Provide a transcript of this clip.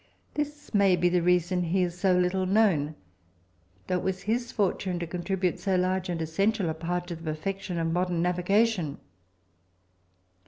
This may be the reason he is so little known, though it was his fortune to contribute so large and essential a part to the perfection of modern navigation.